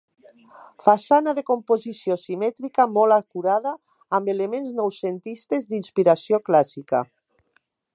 Façana de composició simètrica molt acurada, amb elements noucentistes d'inspiració clàssica.